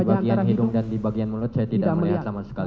di bagian hidung dan di bagian mulut saya tidak melihat sama sekali